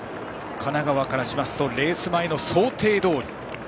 神奈川からするとレース前の想定どおり。